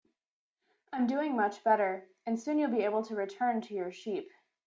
I'm doing much better, and soon you'll be able to return to your sheep.